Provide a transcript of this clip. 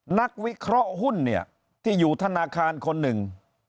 นักวิเคราะห์หุ้นเนี่ยที่อยู่ธนาคารคนหนึ่ง